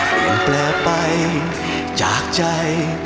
เปลี่ยนแปลงไปจากใจ